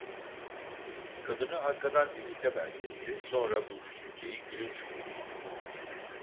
Kadını arkadan Ümit’e benzetti; sonra bu düşünceyi gülünç buldu.